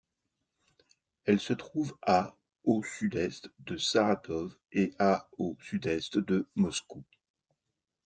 Elle se trouve à au sud-est de Saratov et à au sud-est de Moscou.